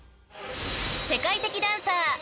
［世界的ダンサー